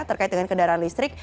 terkait dengan kendaraan listrik